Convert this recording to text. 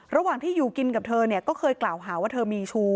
ระหว่างที่อยู่กินกับเธอเนี่ยก็เคยกล่าวหาว่าเธอมีชู้